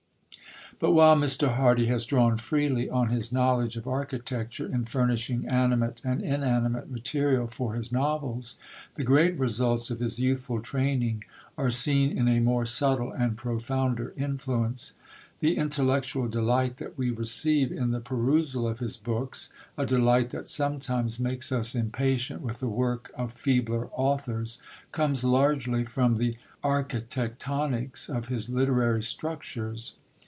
But while Mr. Hardy has drawn freely on his knowledge of architecture in furnishing animate and inanimate material for his novels, the great results of his youthful training are seen in a more subtle and profounder influence. The intellectual delight that we receive in the perusal of his books a delight that sometimes makes us impatient with the work of feebler authors comes largely from the architectonics of his literary structures.